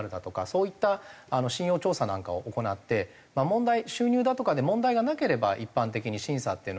そういった信用調査なんかを行って問題収入だとかで問題がなければ一般的に審査っていうのは。